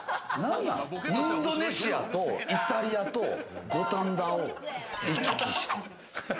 インドネシアとイタリアと五反田を行き来してる。